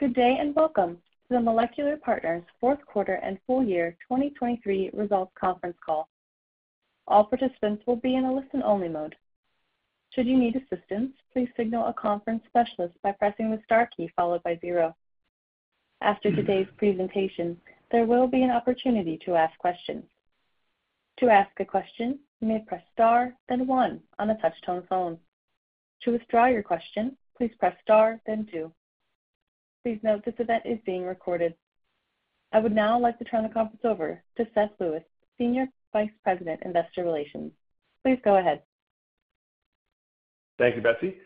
Good day, and welcome to the Molecular Partners' fourth quarter and full year 2023 results conference call. All participants will be in a listen-only mode. Should you need assistance, please signal a conference specialist by pressing the star key followed by zero. After today's presentation, there will be an opportunity to ask questions. To ask a question, you may press *, then 1 on a touch-tone phone. To withdraw your question, please press * then 2. Please note this event is being recorded. I would now like to turn the conference over to Seth Lewis, Senior Vice President, Investor Relations. Please go ahead. Thank you, Betsy.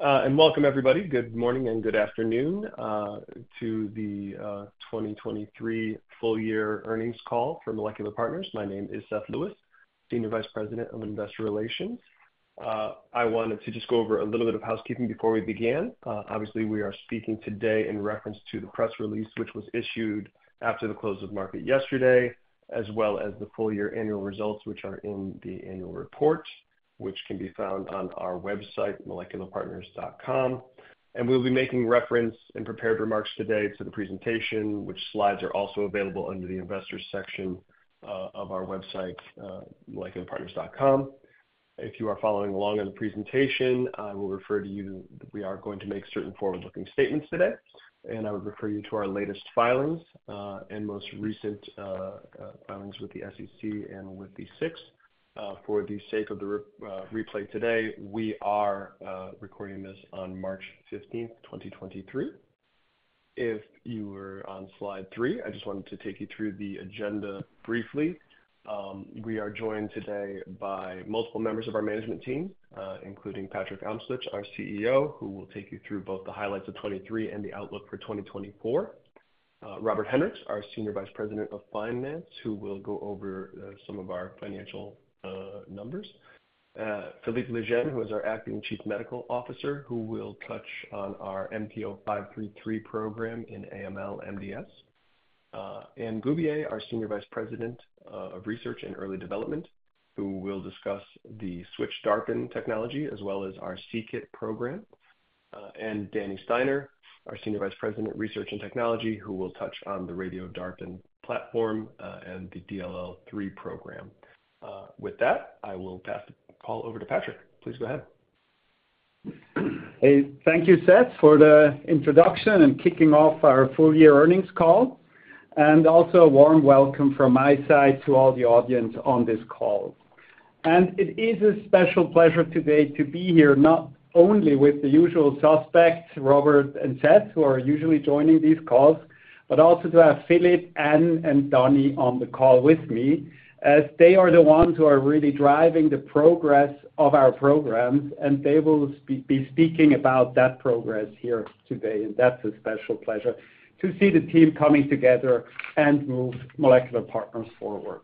And welcome, everybody. Good morning and good afternoon to the 2023 full-year earnings call for Molecular Partners. My name is Seth Lewis, Senior Vice President of Investor Relations. I wanted to just go over a little bit of housekeeping before we begin. Obviously, we are speaking today in reference to the press release, which was issued after the close of market yesterday, as well as the full-year annual results, which are in the annual report, which can be found on our website, molecularpartners.com. And we'll be making reference and prepared remarks today to the presentation, which slides are also available under the Investors section of our website, molecularpartners.com. If you are following along on the presentation, I will refer to you that we are going to make certain forward-looking statements today, and I would refer you to our latest filings and most recent filings with the SEC and with the SIX. For the sake of the replay today, we are recording this on March fifteenth, 2023. If you were on slide three, I just wanted to take you through the agenda briefly. We are joined today by multiple members of our management team, including Patrick Amstutz, our CEO, who will take you through both the highlights of 2023 and the outlook for 2024. Robert Henrich, our Senior Vice President of Finance, who will go over some of our financial numbers. Philippe Lejeune, who is our Acting Chief Medical Officer, who will touch on our MP0533 program in AML/MDS. Anne Goubier, our Senior Vice President of Research and Early Development, who will discuss the Switch-DARPin technology, as well as our c-KIT program. And Daniel Steiner, our Senior Vice President of Research and Technology, who will touch on the Radio-DARPin platform, and the DLL3 program. With that, I will pass the call over to Patrick. Please go ahead. Hey, thank you, Seth, for the introduction and kicking off our full-year earnings call, and also a warm welcome from my side to all the audience on this call. It is a special pleasure today to be here, not only with the usual suspects, Robert and Seth, who are usually joining these calls, but also to have Philippe, Anne, and Danny on the call with me, as they are the ones who are really driving the progress of our programs, and they will be speaking about that progress here today. That's a special pleasure to see the team coming together and move Molecular Partners forward.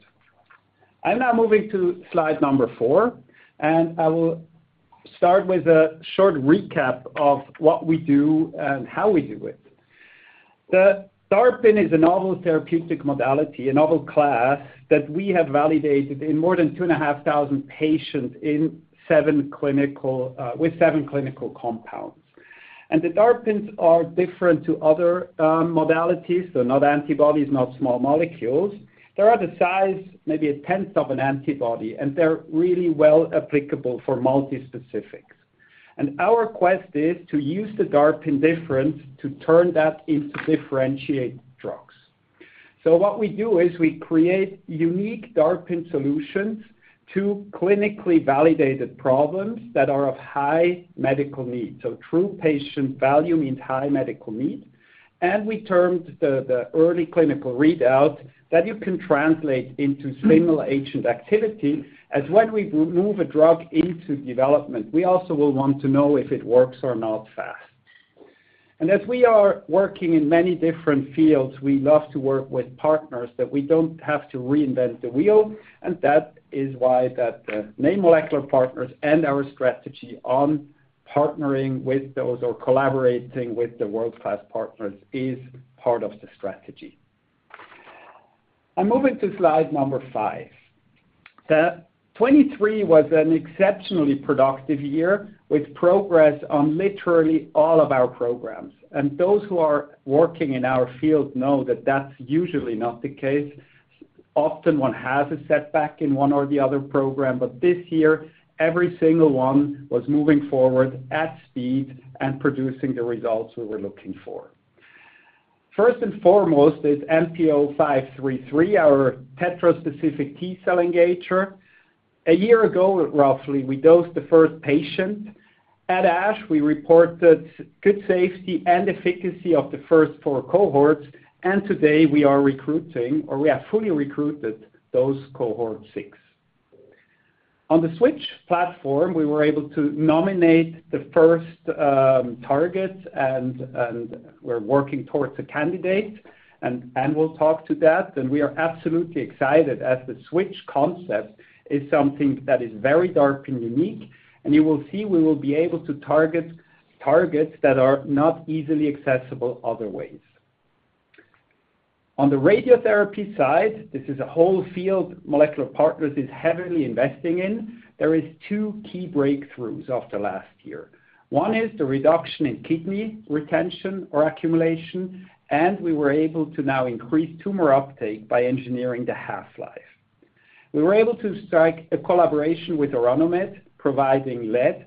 I'm now moving to slide number four, and I will start with a short recap of what we do and how we do it. The DARPin is a novel therapeutic modality, a novel class, that we have validated in more than 2,500 patients in seven clinical compounds. The DARPins are different to other modalities, so not antibodies, not small molecules. They are the size, maybe a tenth of an antibody, and they're really well applicable for multispecifics. Our quest is to use the DARPin difference to turn that into differentiated drugs. So what we do is we create unique DARPin solutions to clinically validated problems that are of high medical need. So true patient value means high medical need. We termed the early clinical readout that you can translate into single agent activity as when we move a drug into development, we also will want to know if it works or not fast. As we are working in many different fields, we love to work with partners that we don't have to reinvent the wheel, and that is why that name Molecular Partners and our strategy on partnering with those or collaborating with the world-class partners is part of the strategy. I'm moving to slide number 5. The 2023 was an exceptionally productive year, with progress on literally all of our programs, and those who are working in our field know that that's usually not the case. Often one has a setback in one or the other program, but this year, every single one was moving forward at speed and producing the results we were looking for. First and foremost is MP0533, our tetraspecific T-cell engager. A year ago, roughly, we dosed the first patient. At ASH, we reported good safety and efficacy of the first four cohorts, and today we are recruiting, or we have fully recruited those cohort six. On the Switch platform, we were able to nominate the first target, and we're working towards a candidate, and Anne will talk to that. And we are absolutely excited as the Switch concept is something that is very DARPin unique, and you will see we will be able to target targets that are not easily accessible other ways.... On the radiotherapy side, this is a whole field Molecular Partners is heavily investing in. There are two key breakthroughs after last year. One is the reduction in kidney retention or accumulation, and we were able to now increase tumor uptake by engineering the half-life. We were able to strike a collaboration with Orano Med, providing lead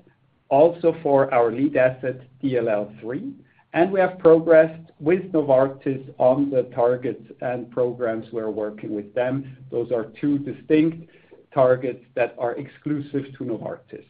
also for our lead asset, DLL3, and we have progressed with Novartis on the targets and programs we're working with them. Those are two distinct targets that are exclusive to Novartis.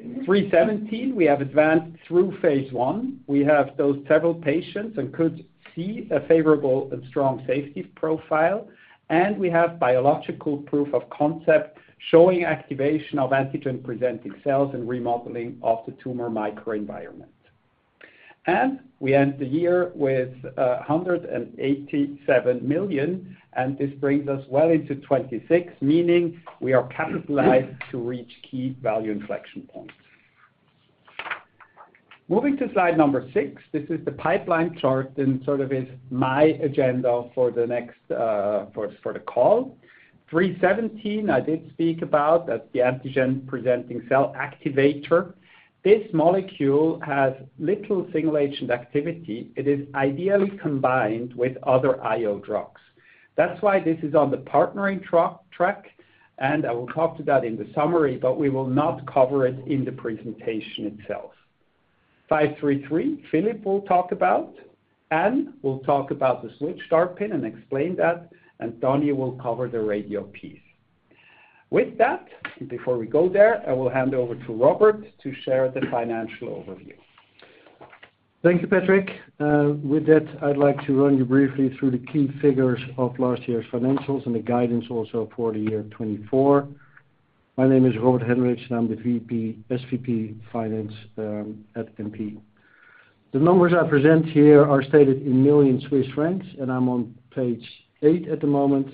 MP0317, we have advanced through phase 1. We have those several patients and could see a favorable and strong safety profile, and we have biological proof of concept showing activation of antigen-presenting cells and remodeling of the tumor microenvironment. We end the year with 187 million, and this brings us well into 2026, meaning we are capitalized to reach key value inflection points. Moving to slide number 6, this is the pipeline chart, and sort of is my agenda for the next, for the call. MP0317, I did speak about, that's the antigen-presenting cell activator. This molecule has little single-agent activity. It is ideally combined with other IO drugs. That's why this is on the partnering track, and I will talk to that in the summary, but we will not cover it in the presentation itself. Five three three, Philippe will talk about, and we'll talk about the Switch-DARPin and explain that, and Danny will cover the radio piece. With that, before we go there, I will hand over to Robert to share the financial overview. Thank you, Patrick. With that, I'd like to run you briefly through the key figures of last year's financials and the guidance also for the year 2024. My name is Robert Hendriks, and I'm the VP, SVP Finance, at MP. The numbers I present here are stated in million Swiss francs, and I'm on page 8 at the moment.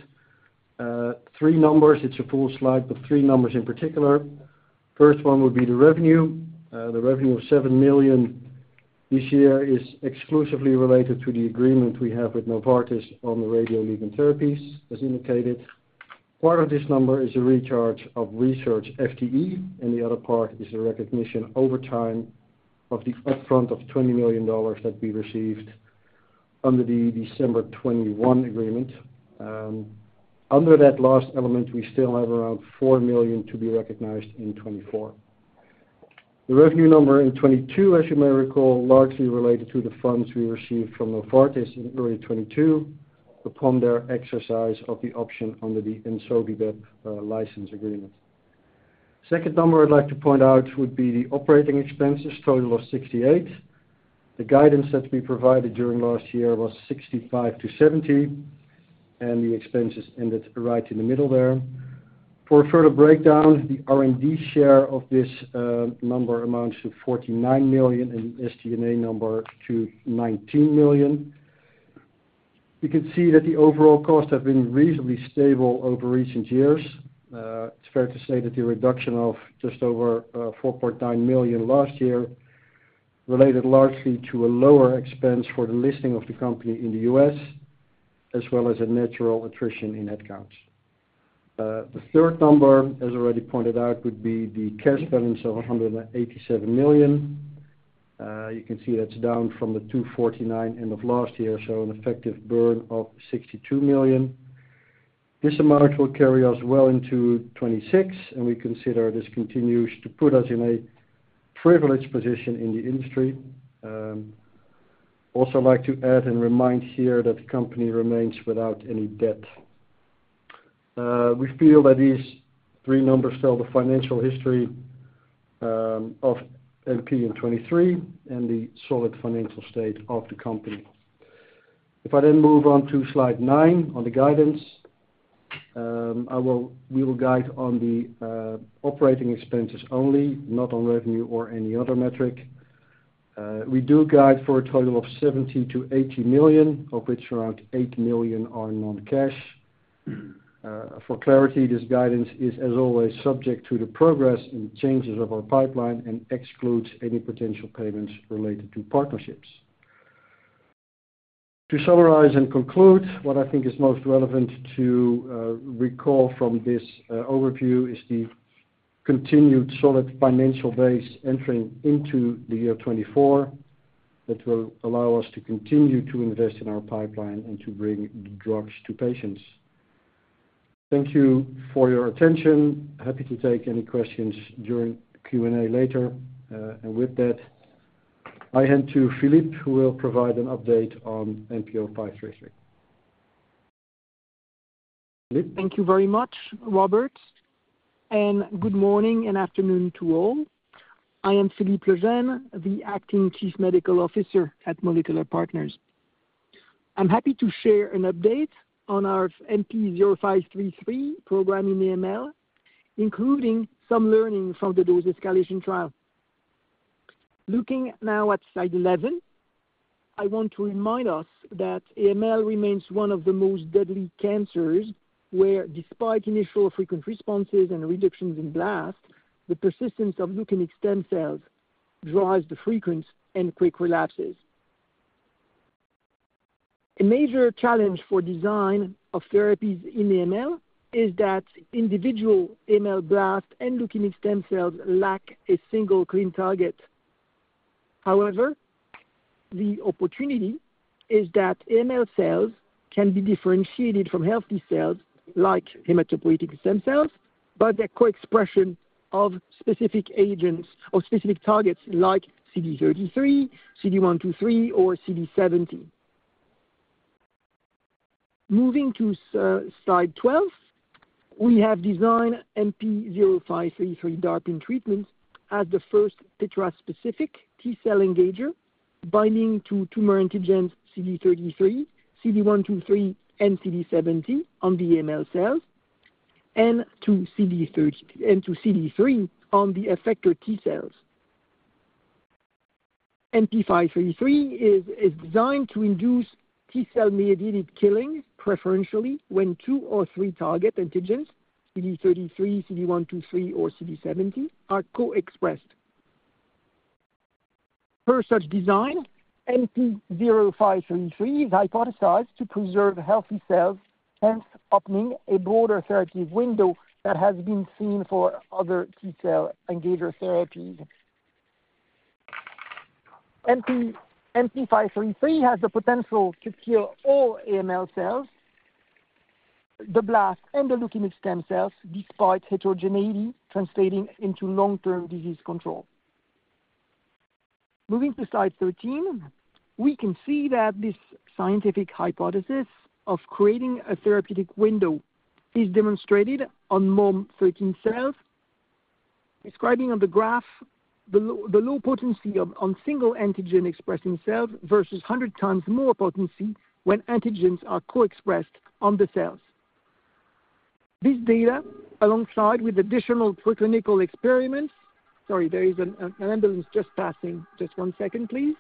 Three numbers, it's a full slide, but three numbers in particular. First one would be the revenue. The revenue of 7 million this year is exclusively related to the agreement we have with Novartis on the radio ligand therapies, as indicated. Part of this number is a recharge of research FTE, and the other part is a recognition over time of the upfront of $20 million that we received under the December 2021 agreement. Under that last element, we still have around 4 million to be recognized in 2024. The revenue number in 2022, as you may recall, largely related to the funds we received from Novartis in early 2022 upon their exercise of the option under the ensovibep license agreement. Second number I'd like to point out would be the operating expenses, total of 68 million. The guidance that we provided during last year was 65 million-70 million, and the expenses ended right in the middle there. For a further breakdown, the R&D share of this number amounts to 49 million and SG&A number to 19 million. You can see that the overall costs have been reasonably stable over recent years. It's fair to say that the reduction of just over 4.9 million last year related largely to a lower expense for the listing of the company in the US, as well as a natural attrition in headcounts. The third number, as already pointed out, would be the cash balance of 187 million. You can see that's down from the 249 million end of last year, so an effective burn of 62 million. This amount will carry us well into 2026, and we consider this continues to put us in a privileged position in the industry. Also like to add and remind here that the company remains without any debt. We feel that these three numbers tell the financial history of MP in 2023 and the solid financial state of the company. If I then move on to slide 9, on the guidance, we will guide on the operating expenses only, not on revenue or any other metric. We do guide for a total of 70 million-80 million, of which around 8 million are non-cash. For clarity, this guidance is, as always, subject to the progress and changes of our pipeline and excludes any potential payments related to partnerships. To summarize and conclude, what I think is most relevant to recall from this overview is the continued solid financial base entering into the year 2024, that will allow us to continue to invest in our pipeline and to bring drugs to patients. Thank you for your attention. Happy to take any questions during the Q&A later, and with that, I hand to Philippe, who will provide an update on MP0533. Philippe? Thank you very much, Robert, and good morning and afternoon to all. I am Philippe Lejeune, the Acting Chief Medical Officer at Molecular Partners. I'm happy to share an update on our MP0533 program in AML, including some learning from the dose-escalation trial. Looking now at slide 11, I want to remind us that AML remains one of the most deadly cancers, where despite initial frequent responses and reductions in blast, the persistence of leukemic stem cells-... drives the frequent and quick relapses. A major challenge for design of therapies in AML is that individual AML blast and leukemic stem cells lack a single clean target. However, the opportunity is that AML cells can be differentiated from healthy cells like hematopoietic stem cells, by their co-expression of specific agents or specific targets like CD33, CD123, or CD70. Moving to slide 12, we have designed MP0533 DARPin treatments as the first tetraspecific T-cell engager, binding to tumor antigens CD33, CD123, and CD70 on the AML cells, and to CD3 on the effector T-cells. MP0533 is designed to induce T-cell-mediated killing, preferentially when two or three target antigens, CD33, CD123, or CD70, are co-expressed. Per such design, MP0533 is hypothesized to preserve healthy cells, hence opening a broader therapeutic window that has been seen for other T-cell engager therapies. MP0533 has the potential to kill all AML cells, the blast and the leukemic stem cells, despite heterogeneity translating into long-term disease control. Moving to slide 13, we can see that this scientific hypothesis of creating a therapeutic window is demonstrated on MOLM-13 cells. Describing on the graph, the low potency on single antigen-expressing cells, versus 100 times more potency when antigens are co-expressed on the cells. This data, alongside with additional preclinical experiments. Sorry, there is an ambulance just passing. Just one second, please.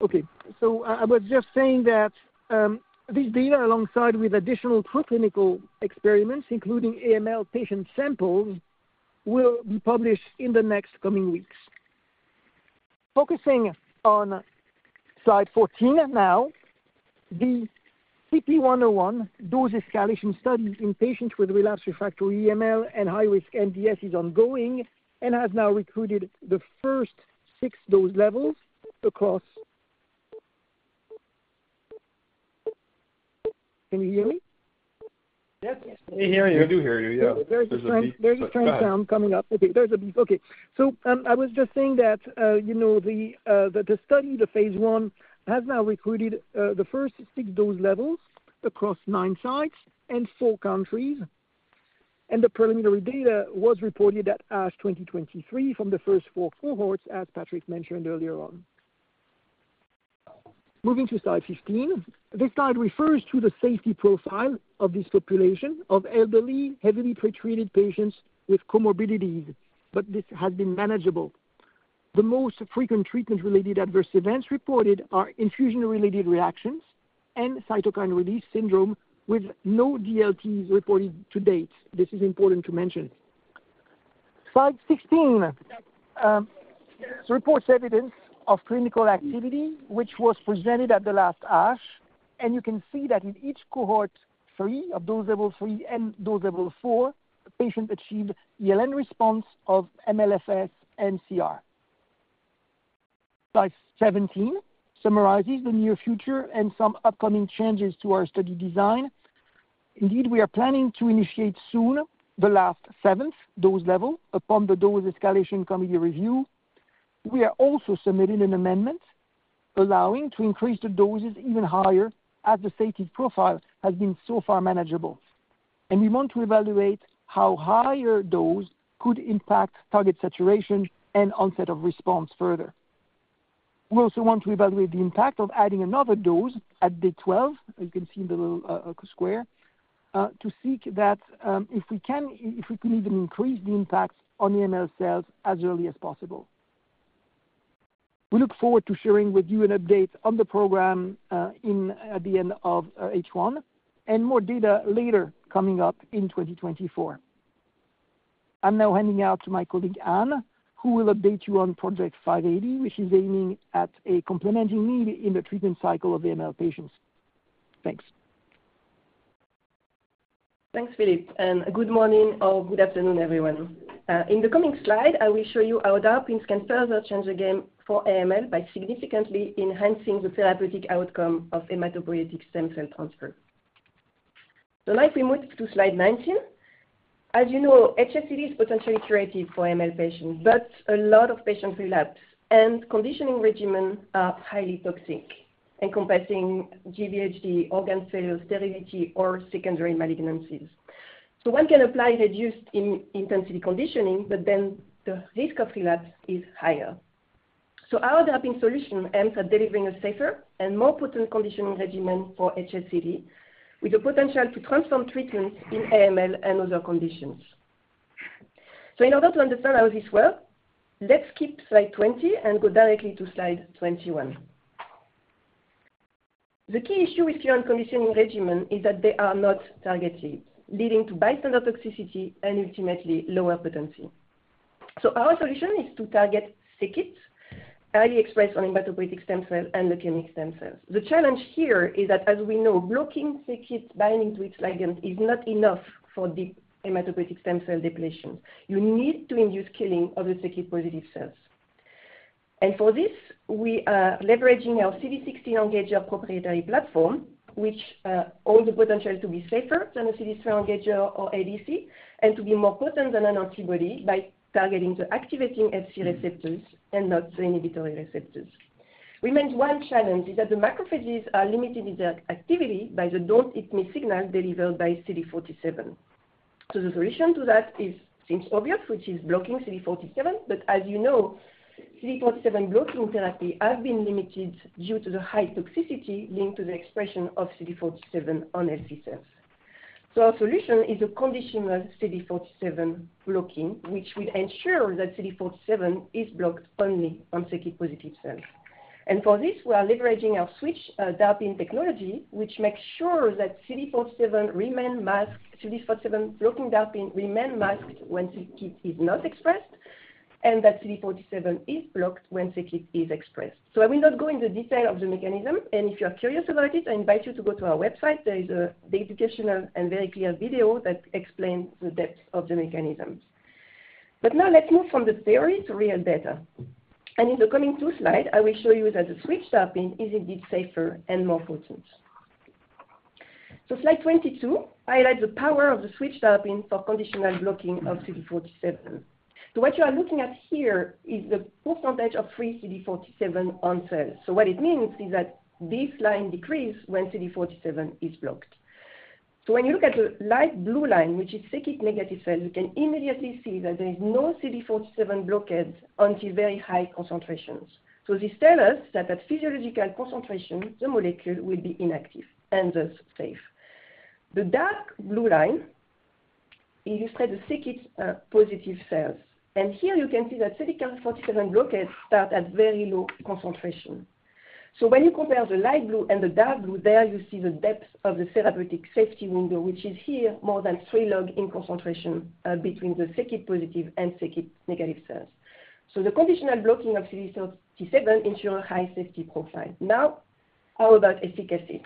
Okay. So I was just saying that, this data, alongside with additional pre-clinical experiments, including AML patient samples, will be published in the next coming weeks. Focusing on slide 14 now, the CT 101 dose escalation studies in patients with relapsed refractory AML and high-risk MDS is ongoing and has now recruited the first 6 dose levels across... Can you hear me? Yes, we hear you. We do hear you, yeah. There's a strange- There's a beep. Go ahead. So, I was just saying that, you know, that the study, the phase 1, has now recruited the first 6 dose levels across 9 sites and 4 countries. And the preliminary data was reported at ASH 2023 from the first 4 cohorts, as Patrick mentioned earlier on. Moving to slide 15. This slide refers to the safety profile of this population of elderly, heavily pretreated patients with comorbidities, but this has been manageable. The most frequent treatment-related adverse events reported are infusion-related reactions and cytokine release syndrome, with no DLTs reported to date. This is important to mention. Slide 16 reports evidence of clinical activity, which was presented at the last ASH, and you can see that in each cohort, three of dose level 3 and dose level 4, the patient achieved ELN response of MLFS and CR. Slide 17 summarizes the near future and some upcoming changes to our study design. Indeed, we are planning to initiate soon the last 7th dose level upon the dose escalation committee review. We are also submitting an amendment, allowing to increase the doses even higher, as the safety profile has been so far manageable. We want to evaluate how higher dose could impact target saturation and onset of response further. We also want to evaluate the impact of adding another dose at day 12, as you can see in the little square to see that if we can even increase the impact on the AML cells as early as possible. We look forward to sharing with you an update on the program in at the end of H1, and more data later, coming up in 2024. I'm now handing over to my colleague, Anne, who will update you on Project 580, which is aiming at a complementary need in the treatment cycle of AML patients. Thanks. Thanks, Philippe, and good morning or good afternoon, everyone. In the coming slide, I will show you how DARPins can further change the game for AML by significantly enhancing the therapeutic outcome of hematopoietic stem cell transfer. So now we move to slide 19. As you know, HSCT is potentially curative for AML patients, but a lot of patients relapse, and conditioning regimen are highly toxic, encompassing GVHD, organ failure, sterility, or secondary malignancies. So one can apply reduced-intensity conditioning, but then the risk of relapse is higher. So our DARPin solution aims at delivering a safer and more potent conditioning regimen for HSCT, with the potential to transform treatment in AML and other conditions. So in order to understand how this works, let's skip slide 20 and go directly to slide 21... The key issue with your own conditioning regimen is that they are not targeted, leading to bystander toxicity and ultimately lower potency. So our solution is to target c-KIT, highly expressed on hematopoietic stem cells and leukemic stem cells. The challenge here is that, as we know, blocking c-KIT binding to its ligand is not enough for the hematopoietic stem cell depletion. You need to induce killing of the c-KIT-positive cells. And for this, we are leveraging our CD16 engager proprietary platform, which hold the potential to be safer than a CD3 engager or ADC, and to be more potent than an antibody by targeting to activating Fc receptors and not the inhibitory receptors. remains one challenge is that the macrophages are limited in their activity by the don't eat me signal delivered by CD47. So the solution to that is, seems obvious, which is blocking CD47, but as you know, CD47 blocking therapy have been limited due to the high toxicity linked to the expression of CD47 on HSC cells. So our solution is a conditional CD47 blocking, which will ensure that CD47 is blocked only on c-KIT-positive cells. And for this, we are leveraging our Switch-DARPin technology, which makes sure that CD47 remain masked, CD47 blocking DARPin remain masked when c-KIT is not expressed, and that CD47 is blocked when c-KIT is expressed. So I will not go into detail of the mechanism, and if you are curious about it, I invite you to go to our website. There is an educational and very clear video that explains the depth of the mechanisms. But now let's move from the theory to real data. In the coming 2 slides, I will show you that the Switch-DARPin is indeed safer and more potent. So slide 22 highlights the power of the Switch-DARPin for conditional blocking of CD47. So what you are looking at here is the percentage of free CD47 on cells. So what it means is that this line decreases when CD47 is blocked. So when you look at the light blue line, which is c-KIT negative cell, you can immediately see that there is no CD47 blockade until very high concentrations. So this tells us that at physiological concentration, the molecule will be inactive and thus safe. The dark blue line illustrates the c-KIT positive cells. Here you can see that CD47 blockades start at very low concentration. So when you compare the light blue and the dark blue, there you see the depth of the therapeutic safety window, which is here more than 3 log in concentration, between the c-KIT positive and c-KIT negative cells. So the conditional blocking of CD47 ensure a high safety profile. Now, how about efficacy?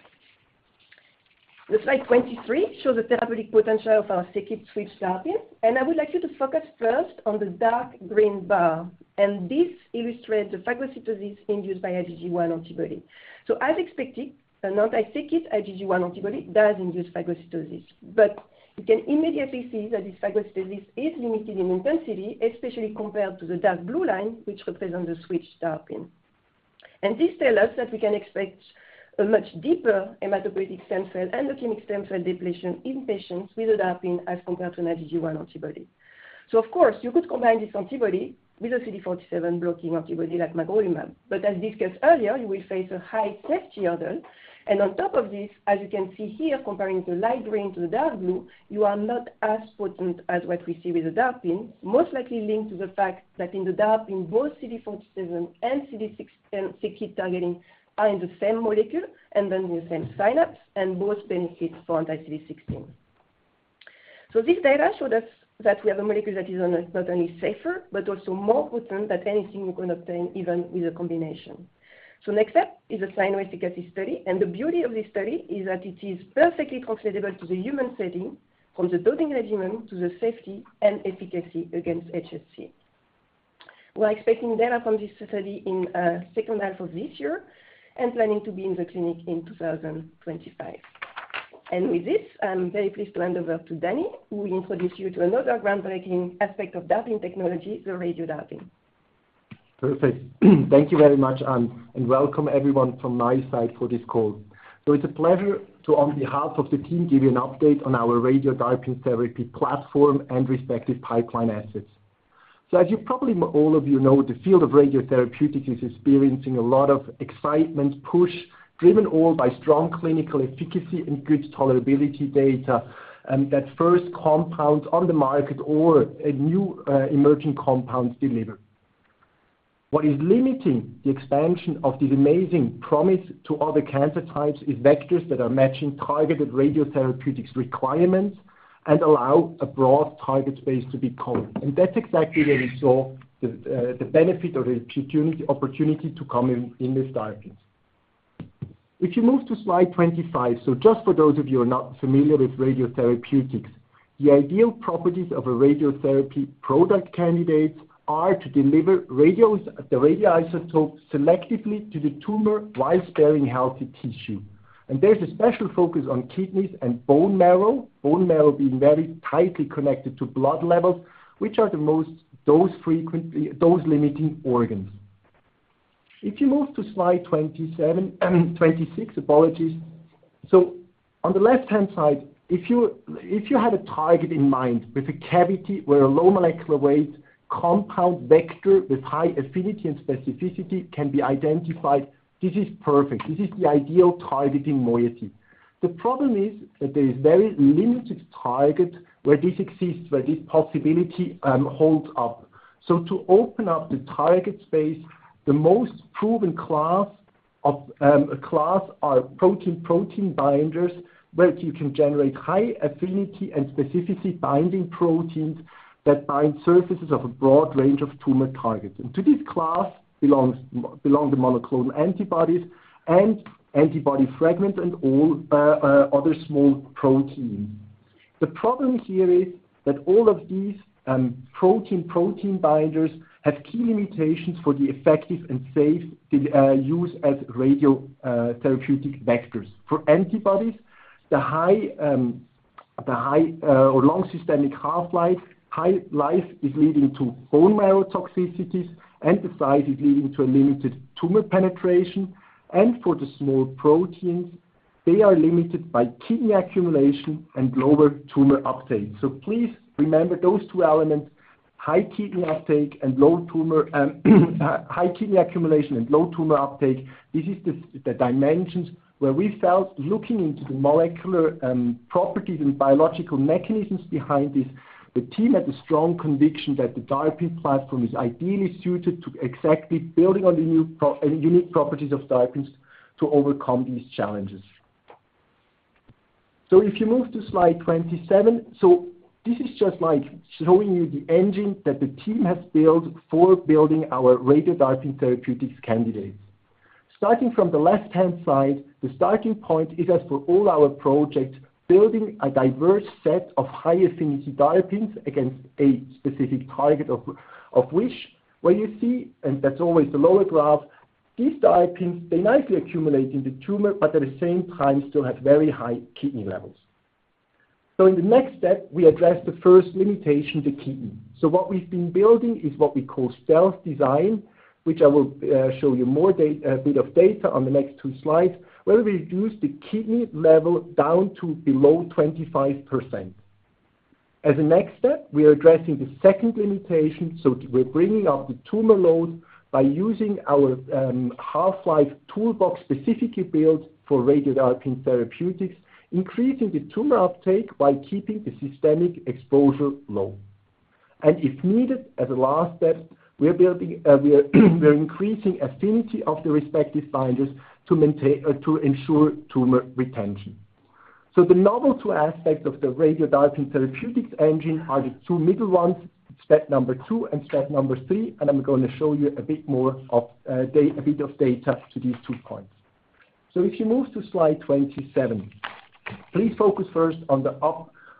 The slide 23 shows the therapeutic potential of our c-KIT Switch-DARPin, and I would like you to focus first on the dark green bar, and this illustrates the phagocytosis induced by IgG1 antibody. So as expected, an anti-c-KIT IgG1 antibody does induce phagocytosis, but you can immediately see that this phagocytosis is limited in intensity, especially compared to the dark blue line, which represents the Switch-DARPin. And this tells us that we can expect a much deeper hematopoietic stem cell and leukemic stem cell depletion in patients with a DARPin as compared to an IgG1 antibody. So of course, you could combine this antibody with a CD47 blocking antibody like magrolimab. But as discussed earlier, you will face a high safety hurdle. And on top of this, as you can see here, comparing the light green to the dark blue, you are not as potent as what we see with the DARPin, most likely linked to the fact that in the DARPin, both CD47 and c-KIT targeting are in the same molecule and then the same synapses, and both benefit from anti-CD16. So this data showed us that we have a molecule that is not, not only safer, but also more potent than anything you can obtain, even with a combination. Next step is a cyno efficacy study, and the beauty of this study is that it is perfectly translatable to the human setting, from the conditioning regimen to the safety and efficacy against HSC. We're expecting data from this study in second half of this year and planning to be in the clinic in 2025. With this, I'm very pleased to hand over to Danny, who will introduce you to another groundbreaking aspect of DARPin technology, the radio-DARPin. Perfect. Thank you very much, Anne, and welcome everyone from my side for this call. So it's a pleasure to, on behalf of the team, give you an update on our Radio-DARPin therapy platform and respective pipeline assets. So as you probably all of you know, the field of radiotherapeutic is experiencing a lot of excitement, push, driven all by strong clinical efficacy and good tolerability data, and that first compounds on the market or a new, emerging compounds deliver. What is limiting the expansion of this amazing promise to other cancer types is vectors that are matching targeted radiotherapeutics requirements and allow a broad target space to be covered. And that's exactly where we saw the benefit or the opportunity to come in this DARPin. If you move to slide 25, so just for those of you who are not familiar with radiotherapeutics, the ideal properties of a radiotherapy product candidates are to deliver the radioisotopes selectively to the tumor while sparing healthy tissue. And there's a special focus on kidneys and bone marrow, bone marrow being very tightly connected to blood levels, which are the most dose frequently, dose-limiting organs. If you move to slide 27, 26, apologies. So on the left-hand side, if you, if you had a target in mind with a cavity where a low molecular weight compound vector with high affinity and specificity can be identified, this is perfect. This is the ideal targeting moiety. The problem is that there is very limited target where this exists, where this possibility holds up. So to open up the target space, the most proven class of protein binders, where you can generate high affinity and specificity binding proteins that bind surfaces of a broad range of tumor targets. And to this class belong the monoclonal antibodies and antibody fragments and all other small protein. The problem here is that all of these protein binders have key limitations for the effective and safe use as radiotherapeutic vectors. For antibodies, the high or long systemic half-life is leading to bone marrow toxicities, and the size is leading to a limited tumor penetration. And for the small proteins, they are limited by kidney accumulation and lower tumor uptake. So please remember those two elements, high kidney uptake and low tumor, high kidney accumulation and low tumor uptake. This is the dimensions where we felt, looking into the molecular, properties and biological mechanisms behind this, the team had a strong conviction that the DARPin platform is ideally suited to exactly building on the new unique properties of DARPins to overcome these challenges. So if you move to slide 27, so this is just like showing you the engine that the team has built for building our Radio-DARPin therapeutics candidates. Starting from the left-hand side, the starting point is, as for all our projects, building a diverse set of high-affinity DARPins against a specific target of which, where you see, and that's always the lower graph, these DARPins, they nicely accumulate in the tumor, but at the same time, still have very high kidney levels. So in the next step, we address the first limitation, the kidney. So what we've been building is what we call Stealth Design, which I will show you more bit of data on the next two slides, where we reduce the kidney level down to below 25%. As a next step, we are addressing the second limitation, so we're bringing up the tumor load by using our half-life toolbox, specifically built for Radio-DARPin therapeutics, increasing the tumor uptake while keeping the systemic exposure low. And if needed, as a last step, we are building we are increasing affinity of the respective binders to ensure tumor retention. So the novel two aspects of the Radio-DARPin therapeutics engine are the two middle ones, step number two and step number three, and I'm gonna show you a bit more of a bit of data to these two points. So if you move to slide 27, please focus first on the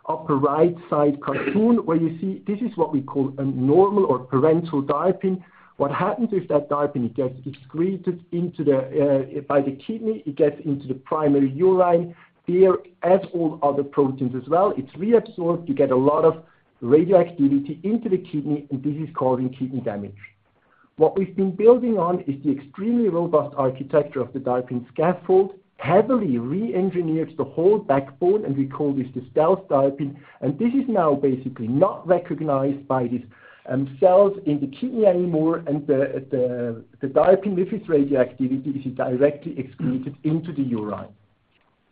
upper right side cartoon, where you see this is what we call a normal or parental DARPin. What happens is, that DARPin, it gets excreted into the by the kidney, it gets into the primary urine, there, as all other proteins as well, it's reabsorbed, you get a lot of radioactivity into the kidney, and this is causing kidney damage. What we've been building on is the extremely robust architecture of the DARPin scaffold, heavily reengineers the whole backbone, and we call this the Stealth DARPin. And this is now basically not recognized by these cells in the kidney anymore, and the DARPin with its radioactivity, this is directly excreted into the urine.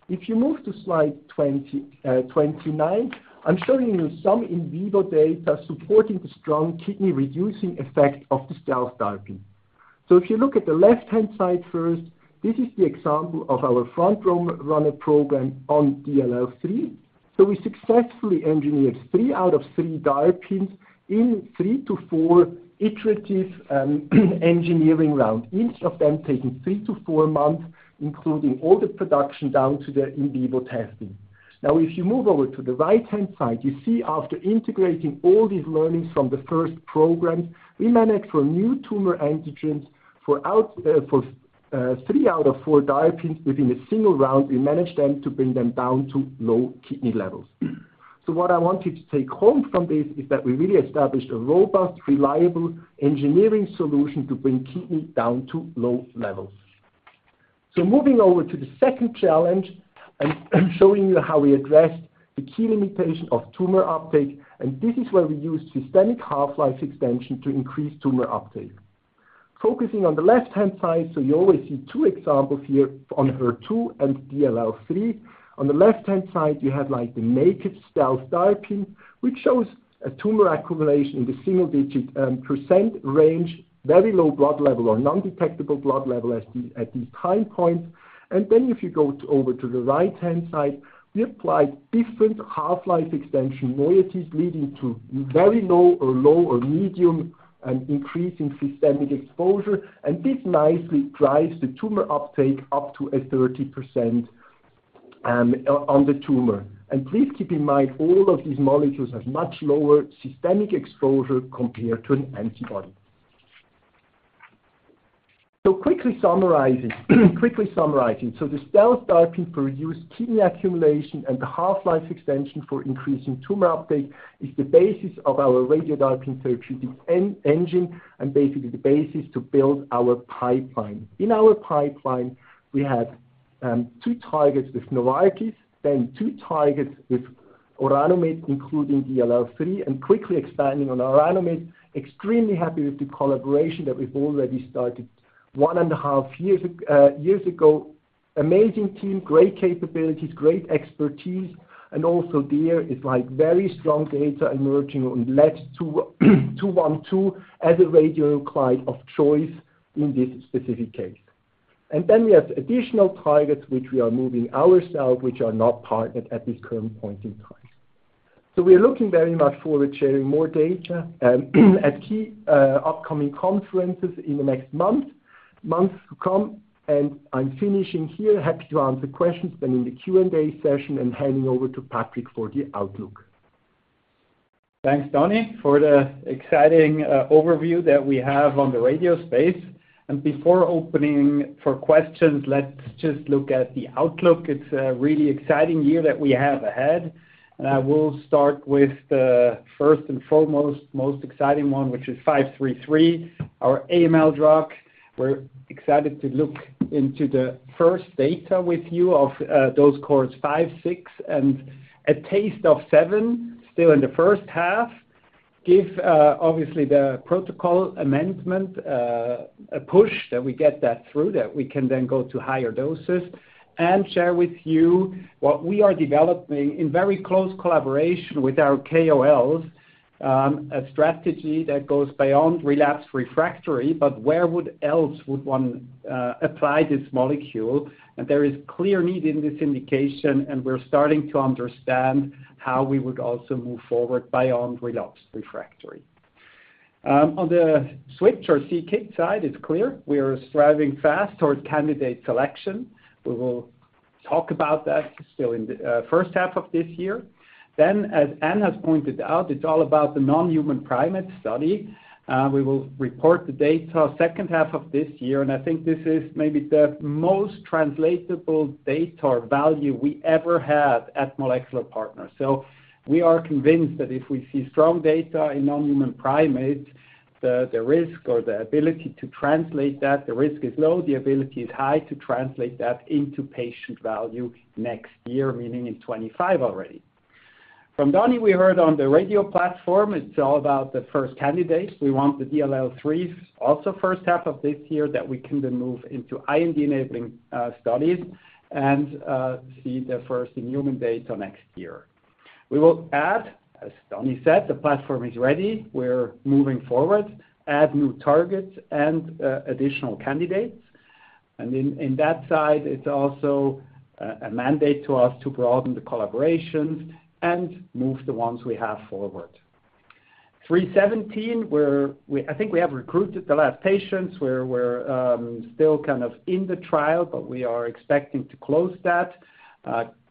If you move to slide 29, I'm showing you some in vivo data supporting the strong kidney-reducing effect of the Stealth DARPin. So if you look at the left-hand side first, this is the example of our front-runner program on DLL3. So we successfully engineered 3 out of 3 DARPins in 3 to 4 iterative engineering rounds, each of them taking 3 to 4 months, including all the production down to the in vivo testing. Now, if you move over to the right-hand side, you see after integrating all these learnings from the first program, we managed for new tumor antigens for 3 out of 4 DARPins within a single round, we managed them to bring them down to low kidney levels. So what I want you to take home from this is that we really established a robust, reliable engineering solution to bring kidney down to low levels. So moving over to the second challenge, I'm showing you how we addressed the key limitation of tumor uptake, and this is where we use systemic half-life extension to increase tumor uptake. Focusing on the left-hand side, so you always see two examples here on HER2 and DLL3. On the left-hand side, you have, like, the naked Stealth DARPin, which shows a tumor accumulation in the single-digit % range, very low blood level or non-detectable blood level at these time points. And then if you go over to the right-hand side, we applied different half-life extension moieties, leading to very low or low or medium increase in systemic exposure. This nicely drives the tumor uptake up to 30% on the tumor. Please keep in mind, all of these molecules have much lower systemic exposure compared to an antibody. So, quickly summarizing. The Stealth Design for reduced kidney accumulation and the half-life extension for increasing tumor uptake is the basis of our Radio-DARPin therapeutic engine, and basically the basis to build our pipeline. In our pipeline, we have two targets with Novartis, then two targets with Orano Med, including DLL3, and quickly expanding on our Orano Med. Extremely happy with the collaboration that we've already started one and a half years ago. Amazing team, great capabilities, great expertise, and also there is like very strong data emerging on Lead-212, as a radioligand of choice in this specific case. And then we have additional targets which we are moving ourselves, which are not partnered at this current point in time. So we are looking very much forward to sharing more data at key upcoming conferences in the next month, months to come. And I'm finishing here. Happy to answer questions then in the Q&A session, and handing over to Patrick for the outlook. Thanks, Danny, for the exciting overview that we have on the radio space. Before opening for questions, let's just look at the outlook. It's a really exciting year that we have ahead, and I will start with the first and foremost, most exciting one, which is MP0533, our AML drug. We're excited to look into the first data with you of those cohorts 5, 6, and at least 7, still in the first half. Given, obviously, the protocol amendment, a push that we get that through, that we can then go to higher doses and share with you what we are developing in very close collaboration with our KOLs, a strategy that goes beyond relapse refractory, but where else would one apply this molecule? There is clear need in this indication, and we're starting to understand how we would also move forward beyond relapse refractory. On the Switch-DARPin c-KIT side, it's clear we are striving fast towards candidate selection. We will talk about that still in the first half of this year. Then, as Anne has pointed out, it's all about the non-human primate study. We will report the data second half of this year, and I think this is maybe the most translatable data or value we ever had at Molecular Partners. So we are convinced that if we see strong data in non-human primates, the risk or the ability to translate that, the risk is low, the ability is high to translate that into patient value next year, meaning in 2025 already. From Danny, we heard on the Radio-DARPin platform, it's all about the first candidate. We want the DLL3 also first half of this year, that we can then move into IND-enabling studies and see the first in human data next year. We will add, as Danny said, the platform is ready. We're moving forward, add new targets and additional candidates. In that side, it's also a mandate to us to broaden the collaborations and move the ones we have forward. MP0317, we're we I think we have recruited the last patients, we're still kind of in the trial, but we are expecting to close that,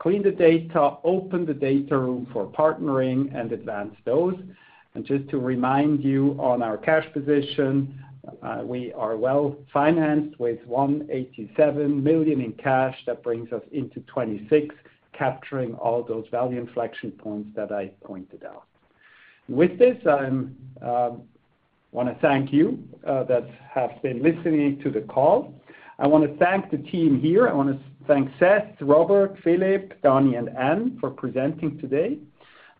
clean the data, open the data room for partnering and advance those. Just to remind you, on our cash position, we are well financed with 187 million in cash. That brings us into 2026, capturing all those value inflection points that I pointed out. With this, I wanna thank you that have been listening to the call. I wanna thank the team here. I wanna thank Seth, Robert, Philippe, Daniel, and Anne for presenting today.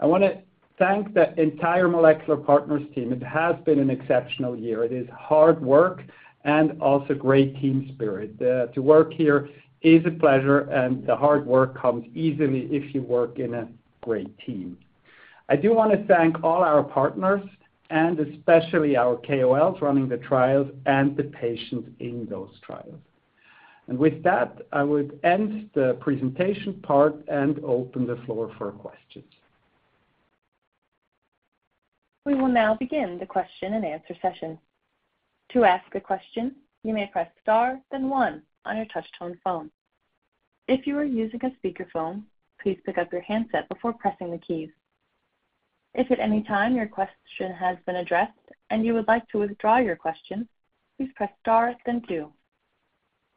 I wanna thank the entire Molecular Partners team. It has been an exceptional year. It is hard work and also great team spirit. To work here is a pleasure, and the hard work comes easily if you work in a great team. I do wanna thank all our partners, and especially our KOLs, running the trials and the patients in those trials. And with that, I would end the presentation part and open the floor for questions. We will now begin the question-and-answer session. To ask a question, you may press Star, then one on your touchtone phone. If you are using a speakerphone, please pick up your handset before pressing the keys. If at any time your question has been addressed and you would like to withdraw your question, please press Star then two.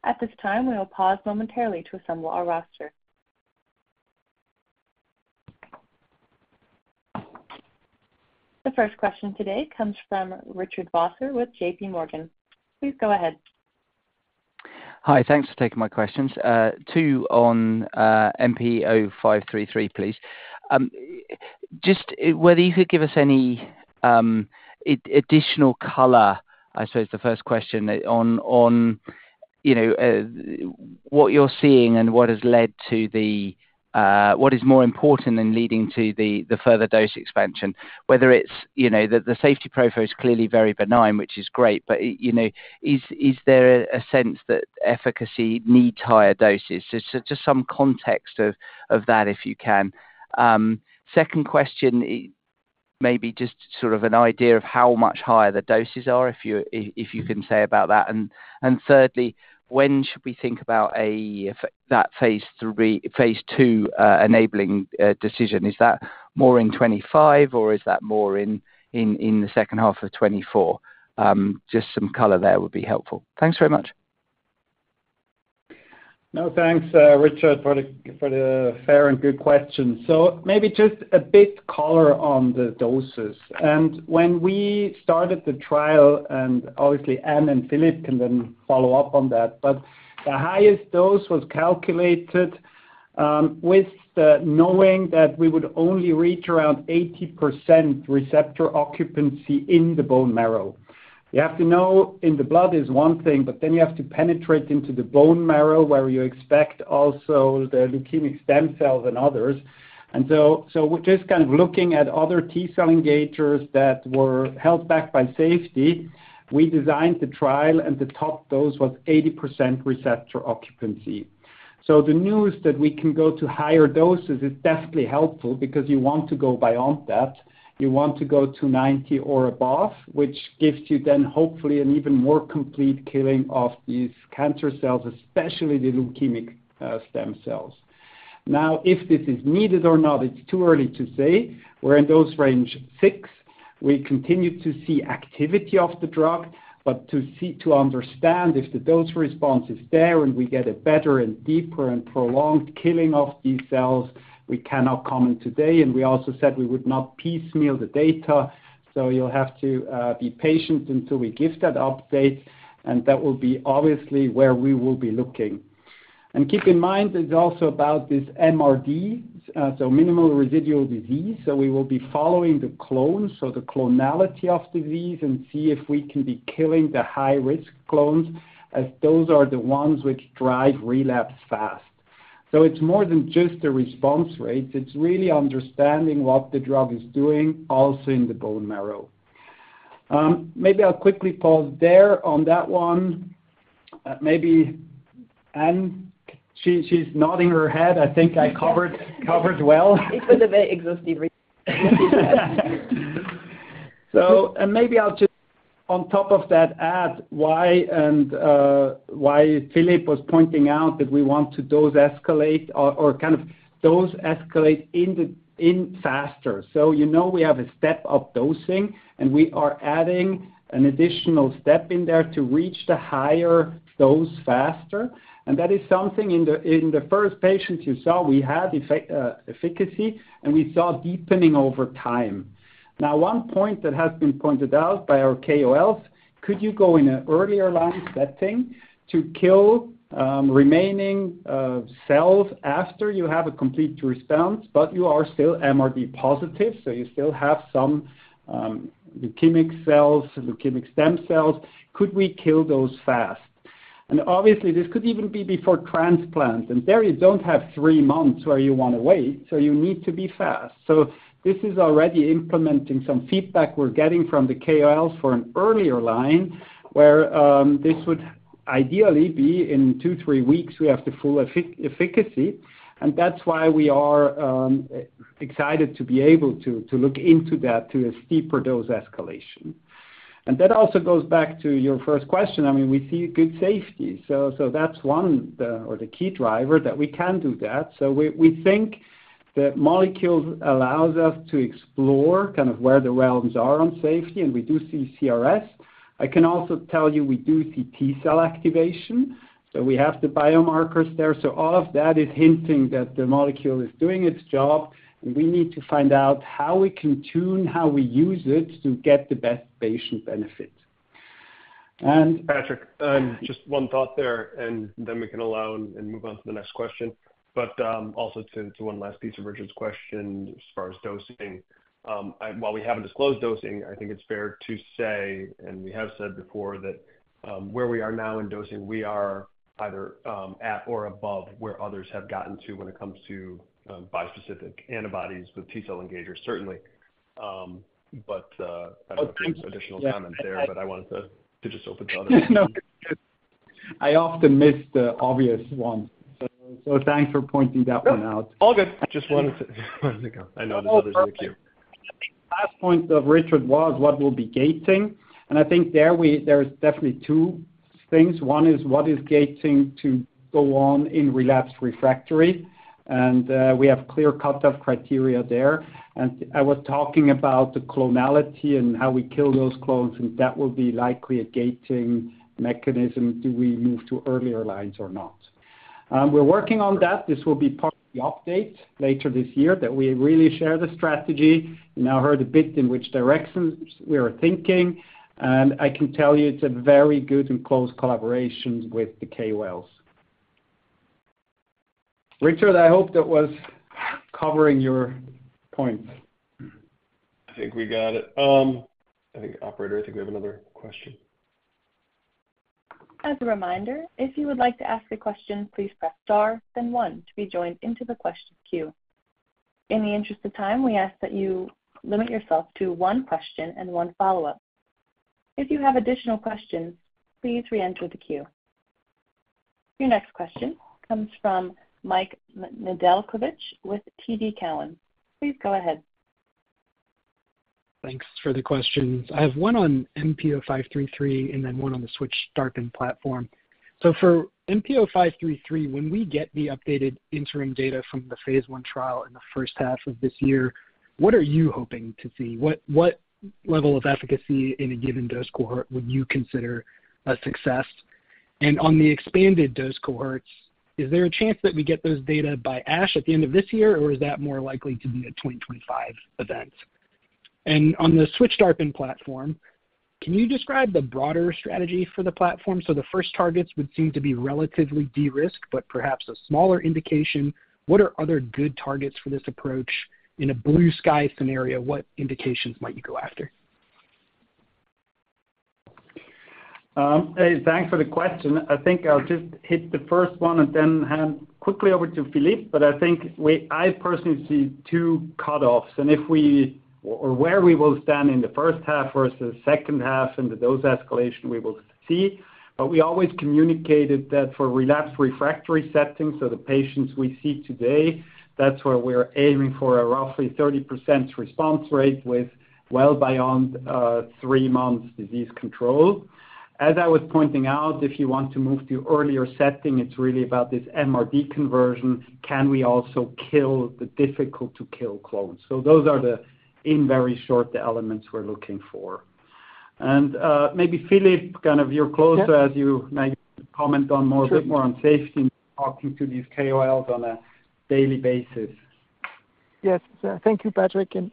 At this time, we will pause momentarily to assemble our roster. The first question today comes from Richard Vosser with J.P. Morgan. Please go ahead. Hi. Thanks for taking my questions. Two on MP0533, please. Just whether you could give us any additional color, I suppose the first question on, on, you know, what you're seeing and what has led to the, what is more important in leading to the, the further dose expansion? Whether it's, you know, the, the safety profile is clearly very benign, which is great, but, you know, is, is there a sense that efficacy needs higher doses? Just some context of that, if you can. Second question, maybe just sort of an idea of how much higher the doses are, if you can say about that. And thirdly, when should we think about a phase two enabling decision? Is that more in 2025 or is that more in the second half of 2024? Just some color there would be helpful. Thanks very much. No, thanks, Richard, for the, for the fair and good questions. So maybe just a bit color on the doses. And when we started the trial, and obviously Anne and Philippe can then follow up on that, but the highest dose was calculated, with the knowing that we would only reach around 80% receptor occupancy in the bone marrow. You have to know in the blood is one thing, but then you have to penetrate into the bone marrow, where you expect also the leukemic stem cells and others. And so, so we're just kind of looking at other T cell engagers that were held back by safety. We designed the trial, and the top dose was 80% receptor occupancy. So the news that we can go to higher doses is definitely helpful because you want to go beyond that. You want to go to 90 or above, which gives you then hopefully an even more complete killing of these cancer cells, especially the leukemic stem cells. Now, if this is needed or not, it's too early to say. We're in dose range 6. We continue to see activity of the drug, but to see-- to understand if the dose response is there and we get a better and deeper and prolonged killing of these cells, we cannot comment today, and we also said we would not piecemeal the data, so you'll have to be patient until we give that update, and that will be obviously where we will be looking. And keep in mind, it's also about this MRD, so minimal residual disease. So we will be following the clone, so the clonality of disease, and see if we can be killing the high-risk clones, as those are the ones which drive relapse fast. So it's more than just the response rate. It's really understanding what the drug is doing also in the bone marrow. Maybe I'll quickly pause there on that one. Maybe, Anne, she's nodding her head. I think I covered covered well. It was a very exhaustive reason. So, maybe I'll just on top of that add why, and why Philippe was pointing out that we want to dose escalate or kind of dose escalate faster. You know, we have a step of dosing, and we are adding an additional step in there to reach the higher dose faster. And that is something in the first patients you saw; we had effect, efficacy, and we saw deepening over time. Now, one point that has been pointed out by our KOLs: could you go in an earlier line setting to kill remaining cells after you have a complete response, but you are still MRD positive, so you still have some leukemic cells, leukemic stem cells? Could we kill those fast? And obviously, this could even be before transplant, and there you don't have 3 months where you want to wait, so you need to be fast. So this is already implementing some feedback we're getting from the KOLs for an earlier line, where this would ideally be in 2-3 weeks, we have the full efficacy, and that's why we are excited to be able to look into that to a steeper dose escalation. And that also goes back to your first question. I mean, we see good safety, so that's one, the key driver that we can do that. So we think the molecules allows us to explore kind of where the realms are on safety, and we do see CRS. I can also tell you we do see T-cell activation, so we have the biomarkers there. So all of that is hinting that the molecule is doing its job, and we need to find out how we can tune, how we use it to get the best patient benefit. And- Patrick, just one thought there, and then we can allow and move on to the next question. But also to one last piece of Richard's question as far as dosing. While we haven't disclosed dosing, I think it's fair to say, and we have said before, that where we are now in dosing, we are either at or above where others have gotten to when it comes to bispecific antibodies with T-cell engagers, certainly. But I don't have additional comment there, but I wanted to just open the other. No, I often miss the obvious one, so, so thanks for pointing that one out. No, all good. Just wanted to, I know this is really cute. Last point of Richard was what will be gating, and I think there, there's definitely two things. One is what is gating to go on in relapse refractory, and we have clear cut-off criteria there. And I was talking about the clonality and how we kill those clones, and that will be likely a gating mechanism. Do we move to earlier lines or not? We're working on that. This will be part of the update later this year, that we really share the strategy. You now heard a bit in which directions we are thinking, and I can tell you it's a very good and close collaborations with the KOLs. Richard, I hope that was covering your points. I think we got it. I think, operator, I think we have another question. As a reminder, if you would like to ask a question, please press Star, then one to be joined into the question queue. In the interest of time, we ask that you limit yourself to one question and one follow-up. If you have additional questions, please reenter the queue. Your next question comes from Michael Nedelcovych with TD Cowen. Please go ahead. Thanks for the questions. I have one on MP0533 and then one on the Switch-DARPin platform. So for MP0533, when we get the updated interim data from the phase I trial in the first half of this year, what are you hoping to see? What, what level of efficacy in a given dose cohort would you consider a success? And on the expanded dose cohorts, is there a chance that we get those data by ASH at the end of this year, or is that more likely to be a 2025 event? And on the Switch-DARPin platform, can you describe the broader strategy for the platform? So the first targets would seem to be relatively de-risked, but perhaps a smaller indication. What are other good targets for this approach? In a blue sky scenario, what indications might you go after?... Hey, thanks for the question. I think I'll just hit the first one and then hand quickly over to Philippe. But I think we, I personally see two cutoffs, and if we, or where we will stand in the first half versus second half into those escalation, we will see. But we always communicated that for relapsed refractory settings, so the patients we see today, that's where we're aiming for a roughly 30% response rate with well beyond three months disease control. As I was pointing out, if you want to move to earlier setting, it's really about this MRD conversion. Can we also kill the difficult to kill clones? So those are the, in very short, the elements we're looking for. And maybe Philippe, kind of, you're closer as you might comment on more- Sure. bit more on safety, talking to these KOLs on a daily basis. Yes. Thank you, Patrick, and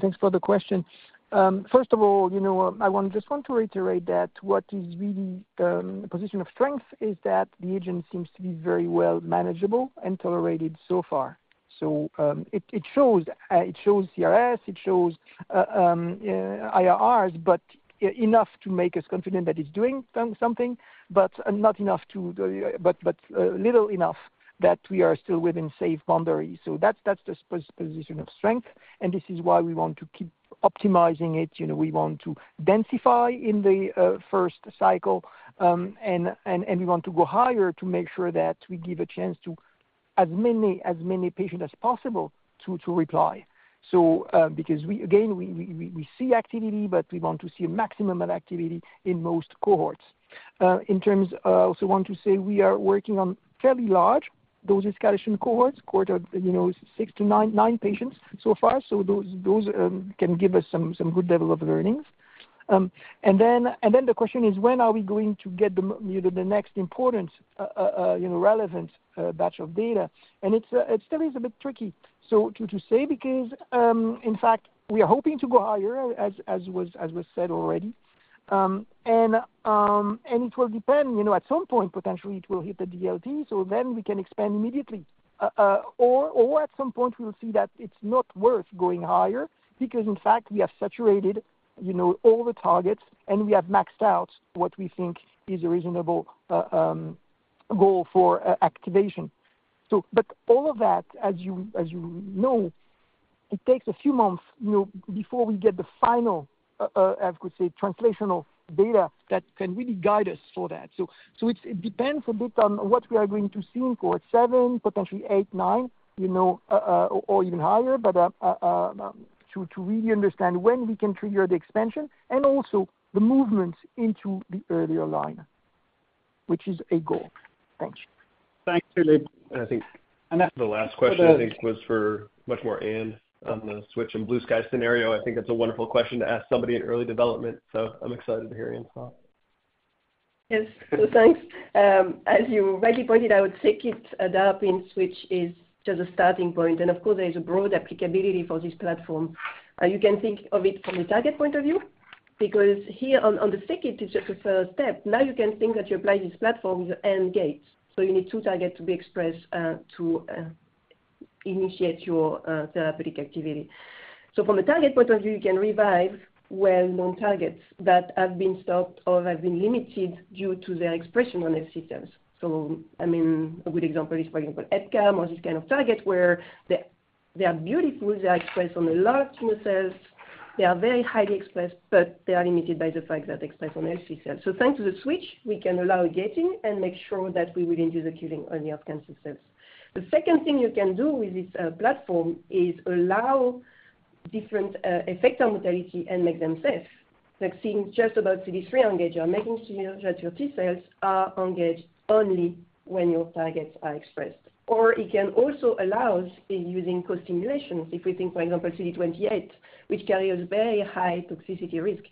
thanks for the question. First of all, you know, I just want to reiterate that what is really a position of strength is that the agent seems to be very well manageable and tolerated so far. So, it shows CRS, it shows IRRs, but enough to make us confident that it's doing something, but not enough to... But little enough that we are still within safe boundaries. So that's the position of strength, and this is why we want to keep optimizing it. You know, we want to densify in the first cycle, and we want to go higher to make sure that we give a chance to as many patients as possible to reply. So, because we again see activity, but we want to see a maximum of activity in most cohorts. In terms of... I also want to say we are working on fairly large, those escalation cohorts, cohort of, you know, 6-9, 9 patients so far. So those can give us some good level of learnings. And then the question is: When are we going to get the, you know, the next important, you know, relevant batch of data? And it's still a bit tricky to say, because in fact, we are hoping to go higher, as was said already. And it will depend, you know, at some point, potentially, it will hit the DLT, so then we can expand immediately. at some point, we will see that it's not worth going higher because, in fact, we have saturated, you know, all the targets, and we have maxed out what we think is a reasonable goal for activation. All of that, as you know, it takes a few months, you know, before we get the final, I could say, translational data that can really guide us for that. It depends a bit on what we are going to see in cohort 7, potentially 8, 9, you know, or even higher, but to really understand when we can trigger the expansion and also the movement into the earlier line, which is a goal. Thanks. Thanks, Philippe. I think the last question, I think, was for much more Anne on the switch and blue sky scenario. I think that's a wonderful question to ask somebody in early development, so I'm excited to hear Anne's thought. Yes. So thanks. As you rightly pointed out, c-KIT, a Switch-DARPin, is just a starting point. And of course, there is a broad applicability for this platform. You can think of it from a target point of view, because here on the c-KIT, it's just a first step. Now you can think that you apply these platforms and gates, so you need two target to be expressed to initiate your therapeutic activity. So from a target point of view, you can revive well-known targets that have been stopped or have been limited due to their expression on healthy systems. So I mean, a good example is, for example, EpCAM or this kind of target, where they, they are beautiful, they are expressed on a lot of tumor cells, they are very highly expressed, but they are limited by the fact that expressed on epithelial cells. So thanks to the switch, we can allow gating and make sure that we really do the killing on the cancer cells. The second thing you can do with this platform is allow different effector modality and make them safe. Like seeing just about CD3 engager, making sure that your T cells are engaged only when your targets are expressed. Or it can also allow us in using co-stimulation, if we think, for example, CD28, which carries very high toxicity risk.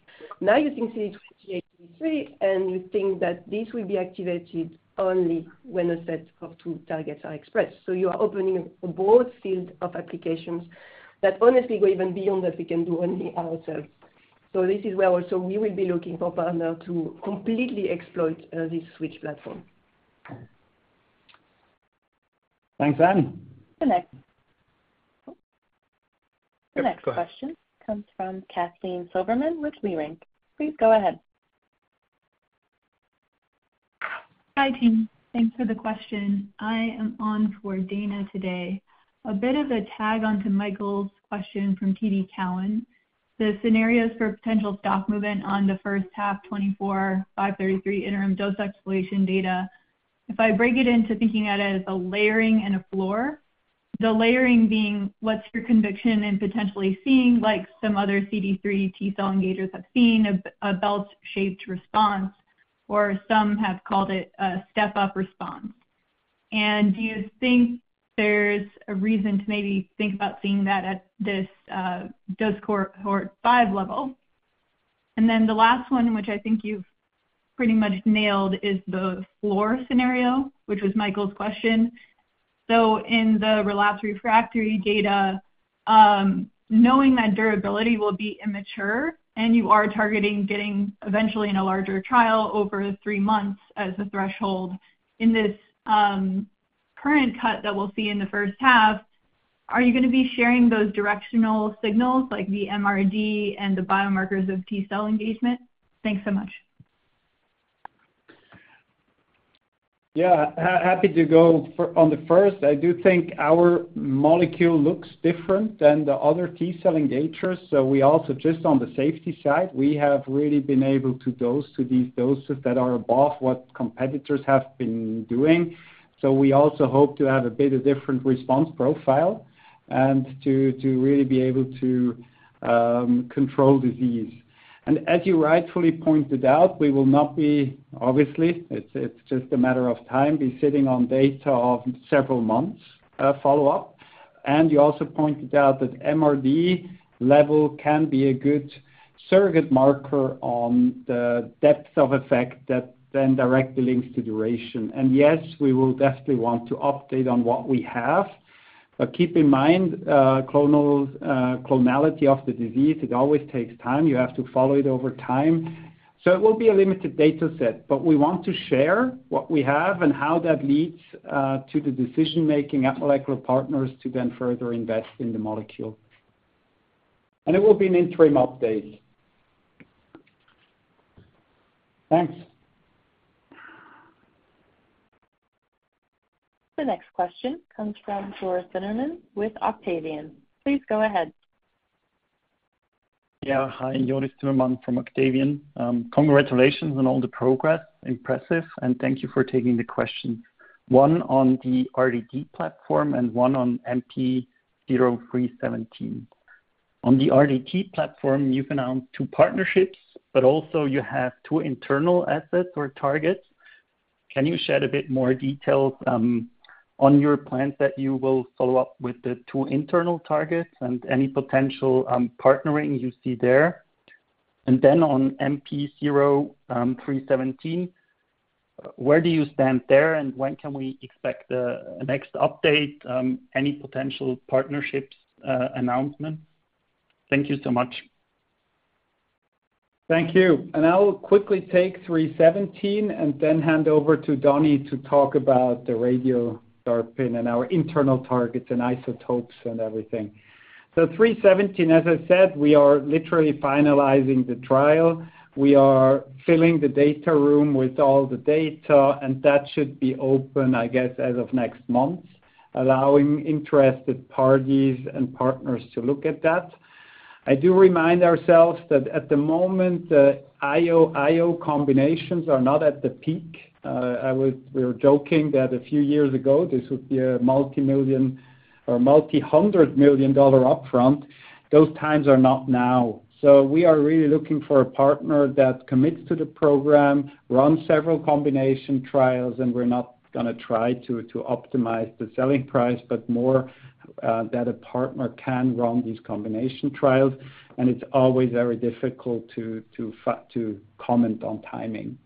Now, using CD28/CD3, and you think that this will be activated only when a set of two targets are expressed. So you are opening a broad field of applications that honestly go even beyond what we can do only ourselves. So this is where also we will be looking for partner to completely exploit this switch platform. Thanks, Anne. The next- Yep, go ahead. The next question comes from Kalpit Patel with B. Riley. Please go ahead. Hi, team. Thanks for the question. I am on for Dana today. A bit of a tag onto Michael's question from TD Cowen. The scenarios for potential stock movement on the first half 2024, MP0533 interim dose exploration data. If I break it into thinking about it as a layering and a floor, the layering being: What's your conviction in potentially seeing, like some other CD3 T cell engagers have seen, a bell-shaped response, or some have called it a step-up response? And do you think there's a reason to maybe think about seeing that at this dose cohort 5 level? And then the last one, which I think you've pretty much nailed, is the floor scenario, which was Michael's question. So in the relapsed refractory data, knowing that durability will be immature and you are targeting getting eventually in a larger trial over three months as the threshold, in this current cut that we'll see in the first half-... Are you gonna be sharing those directional signals, like the MRD and the biomarkers of T-cell engagement? Thanks so much. Yeah, happy to go on the first. I do think our molecule looks different than the other T-cell engagers, so we also, just on the safety side, we have really been able to dose to these doses that are above what competitors have been doing. So we also hope to have a bit of different response profile and to, to really be able to, control disease. And as you rightfully pointed out, we will not be, obviously, it's just a matter of time, be sitting on data of several months, follow-up. And you also pointed out that MRD level can be a good surrogate marker on the depth of effect that then directly links to duration. And yes, we will definitely want to update on what we have. But keep in mind, clonals, clonality of the disease, it always takes time. You have to follow it over time. So it will be a limited data set, but we want to share what we have and how that leads to the decision-making at Molecular Partners to then further invest in the molecule. And it will be an interim update. Thanks. The next question comes from Jonas Timmermann with Octavian. Please go ahead. Yeah. Hi, Jonas Timmermann from Octavian. Congratulations on all the progress. Impressive, and thank you for taking the question. One on the RDT platform and one on MP0317. On the RDT platform, you've announced two partnerships, but also you have two internal assets or targets. Can you shed a bit more details on your plans that you will follow up with the two internal targets and any potential partnering you see there? And then on MP0317, where do you stand there, and when can we expect the next update, any potential partnerships announcement? Thank you so much. Thank you. I'll quickly take MP0317 and then hand over to Danny to talk about the Radio-DARPin and our internal targets and isotopes and everything. So MP0317, as I said, we are literally finalizing the trial. We are filling the data room with all the data, and that should be open, I guess, as of next month, allowing interested parties and partners to look at that. I do remind ourselves that at the moment, the IO/IO combinations are not at the peak. We were joking that a few years ago, this would be a multi-million or multi-hundred million dollar upfront. Those times are not now. So we are really looking for a partner that commits to the program, run several combination trials, and we're not gonna try to optimize the selling price, but more that a partner can run these combination trials, and it's always very difficult to comment on timing.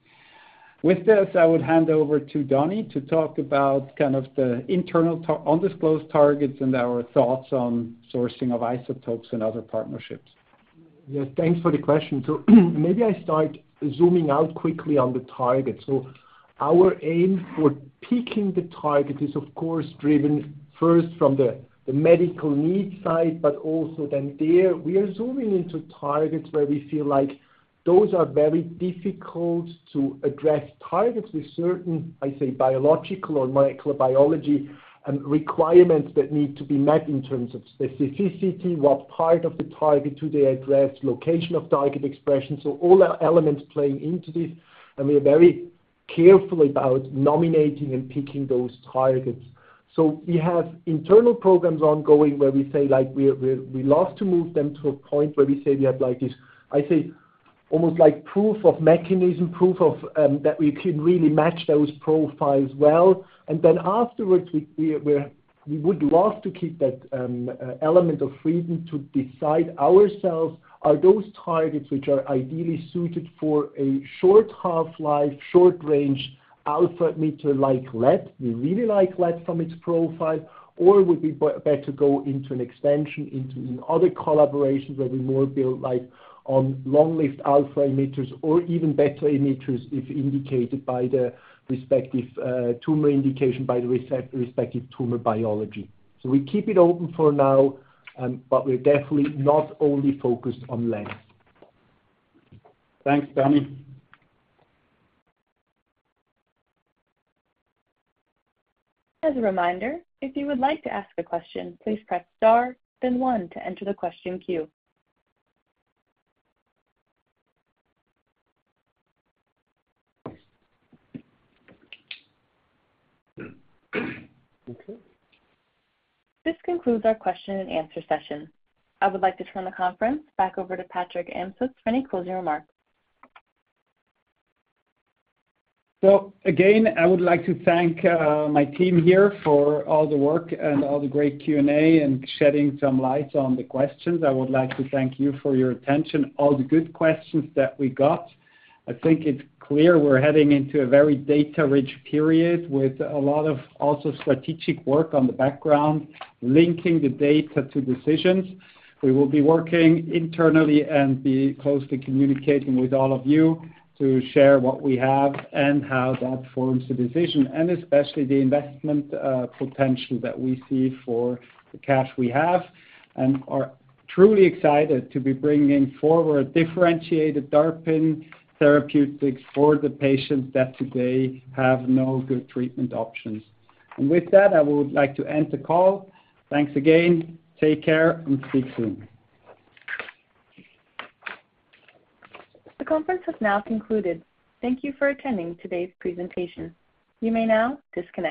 With this, I would hand over to Danny to talk about kind of the internal undisclosed targets and our thoughts on sourcing of isotopes and other partnerships. Yeah, thanks for the question. So, maybe I start zooming out quickly on the target. So our aim for picking the target is, of course, driven first from the medical needs side, but also then there, we are zooming into targets where we feel like those are very difficult to address targets with certain, I say, biological or microbiology, requirements that need to be met in terms of specificity, what part of the target do they address, location of target expression. So all our elements play into this, and we are very careful about nominating and picking those targets. So we have internal programs ongoing, where we say, like, we're we love to move them to a point where we say we have, like, this, I say, almost like proof of mechanism, proof of, that we can really match those profiles well. Then afterwards, we would love to keep that element of freedom to decide ourselves, are those targets which are ideally suited for a short half-life, short-range alpha emitter, like lead. We really like lead from its profile. Or would be better to go into an extension, into other collaborations where we more build, like, on long-lived alpha emitters or even beta emitters, if indicated by the respective tumor indication, by the respective tumor biology. We keep it open for now, but we're definitely not only focused on lead. Thanks, Donnie. As a reminder, if you would like to ask a question, please press *, then 1 to enter the question queue. Okay. This concludes our question and answer session. I would like to turn the conference back over to Patrick Amstutz for any closing remarks. So again, I would like to thank my team here for all the work and all the great Q&A and shedding some light on the questions. I would like to thank you for your attention, all the good questions that we got. I think it's clear we're heading into a very data-rich period with a lot of also strategic work on the background, linking the data to decisions. We will be working internally and be closely communicating with all of you to share what we have and how that forms the decision, and especially the investment potential that we see for the cash we have, and are truly excited to be bringing forward differentiated DARPin therapeutics for the patients that today have no good treatment options. And with that, I would like to end the call. Thanks again. Take care, and speak soon. The conference has now concluded. Thank you for attending today's presentation. You may now disconnect.